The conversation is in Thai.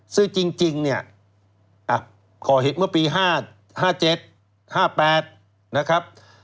ซึ่งจริงเนี่ยก่อเหตุเมื่อปี๕๗๕๘นะครับ